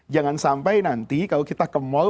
jangan sampai nanti kalau kita ke mall